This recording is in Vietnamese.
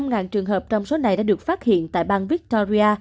gần một trăm linh trường hợp trong số này đã được phát hiện tại bang victoria